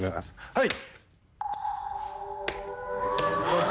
「はい。